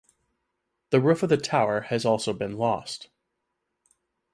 The roof of the tower has also been lost.